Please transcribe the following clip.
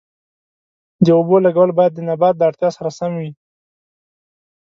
د اوبو لګول باید د نبات د اړتیا سره سم وي.